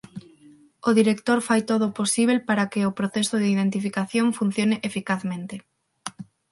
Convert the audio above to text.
O director fai todo o posíbel para que o proceso de identificación funcione eficazmente.